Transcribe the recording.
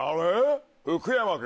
福山君